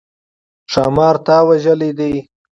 ښامار تا وژلی دی؟